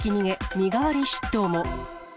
身代わり出頭も。